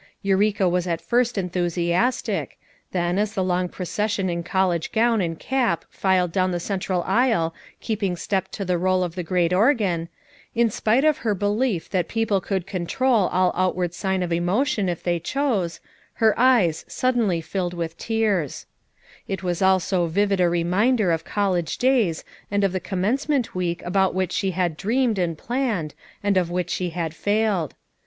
Eureka "was at first enthusiastic; then, as the long proces sion in college gown and cap filed down the central aisle keeping step to the roll of the great organ, in spite of her belief that people could control all outward sign of emotion if they chose, her eyes suddenly filled with tears. 214 FOUR MOTHERS AT CHAUTAUQUA It was all so vivid a reminder of college days and of the Commencement week about whicli she had dreamed and planned and of whicli she had failed.